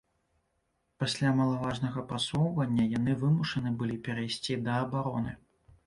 Пасля малаважнага прасоўвання яны вымушаны былі перайсці да абароны.